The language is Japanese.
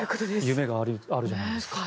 夢があるじゃないですか。